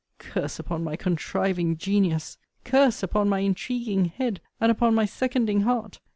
Curse upon my contriving genius! Curse upon my intriguing head, and upon my seconding heart!